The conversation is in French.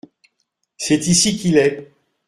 C’est ici qu’il est.